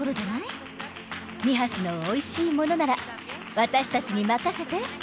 ミハスのおいしいものなら私たちに任せて！